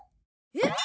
えっ！？